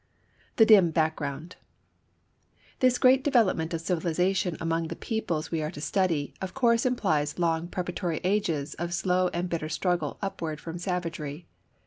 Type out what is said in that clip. The Dim Background. This great development of civilization among the peoples we are to study, of course implies long preparatory ages of slow and bitter struggle upward from savagery.